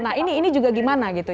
nah ini juga gimana gitu